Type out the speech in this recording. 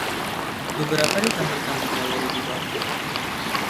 Beberapa ditampilkan di galeri di bawah ini.